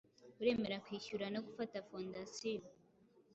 Uremera kwishyura no gufata Fondasiyo